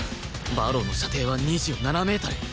馬狼の射程は２７メートル